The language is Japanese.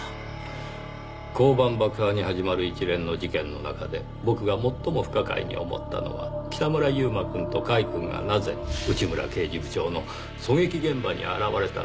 交番爆破に始まる一連の事件の中で僕が最も不可解に思ったのは北村悠馬くんと甲斐くんがなぜ内村刑事部長の狙撃現場に現れたのかという事でした。